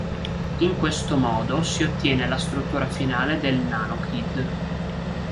In questo modo si ottiene la struttura finale del NanoKid.